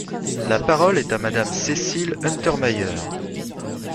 La parole est à Madame Cécile Untermaier.